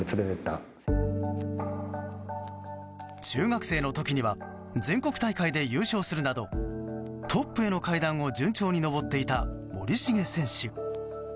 中学生の時には全国大会で優勝するなどトップへの階段を順調に上っていた森重選手。